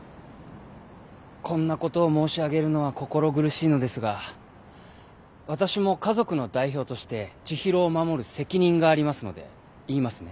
こんなことを申し上げるのは心苦しいのですが私も家族の代表として知博を守る責任がありますので言いますね。